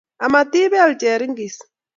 Amat ibeel cheringis